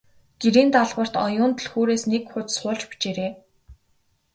Гэрийн даалгаварт Оюун түлхүүрээс нэг хуудас хуулж бичээрэй.